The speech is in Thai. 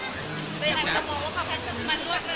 อะไรควะมาคำไกล